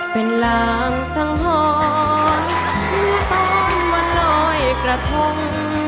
เป็นลางสังหรณ์ที่ต้องมาลอยกระทง